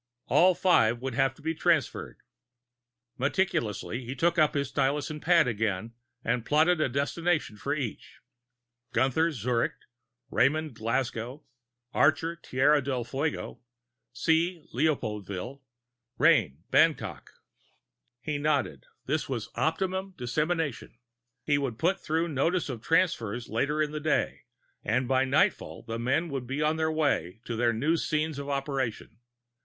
All five would have to be transferred. Meticulously, he took up his stylus and pad again, and plotted a destination for each: Gunther ... Zurich. Raymond ... Glasgow. Archer ... Tierra del Fuego. Hsi ... Leopoldville. Rein ... Bangkok. He nodded. That was optimum dissemination; he would put through notice of the transfers later in the day, and by nightfall the men would be on their way to their new scenes of operation.